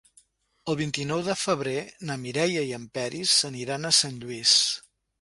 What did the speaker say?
El vint-i-nou de febrer na Mireia i en Peris aniran a Sant Lluís.